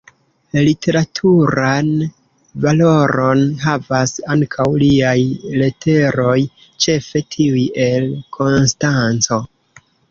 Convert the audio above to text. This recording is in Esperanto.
Literaturan valoron havas ankaŭ liaj leteroj, ĉefe tiuj el Konstanco.